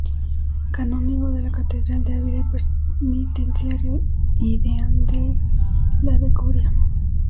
Canónigo de la catedral de Ávila y penitenciario y deán de la de Coria.